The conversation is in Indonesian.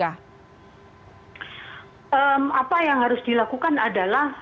apa yang harus dilakukan adalah